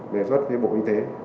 đề xuất với bộ y tế